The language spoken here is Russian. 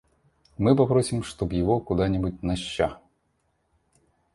Мы попросим, чтоб его куда-нибудь на Ща!